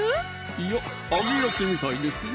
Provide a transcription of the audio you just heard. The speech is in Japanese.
いや揚げ焼きみたいですよ！